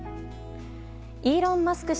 イーロン・マスク